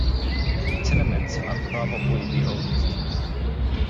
The tenements are probably the oldest.